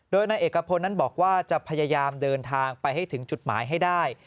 โดยนายเอกพลนั้นบอกว่าจะพยายามเดินทางไปให้ถึงจุดหมายให้ได้